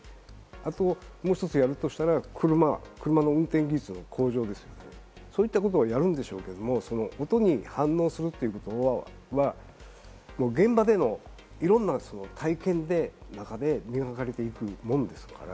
あと、もう一つやるとしたら車の運転技術の向上、そういったことはやるんですけれども、音に反応するということは現場でのいろんな体験で生まれていくものですから。